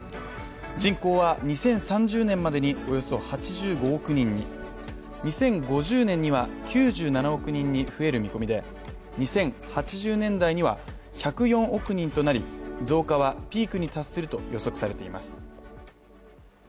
人口は２０３０年までにおよそ８５億人に２０５０年には９７億人に増える見込みで２０８０年代には１０４億人となり、増加はピークに達すると予測されています。